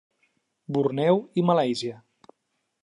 Borneo i Malàisia.